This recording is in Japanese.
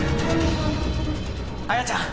亜矢ちゃん